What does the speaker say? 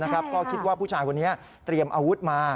ก็คิดว่าผู้ชายคนนี้เตรียมอาวุธมา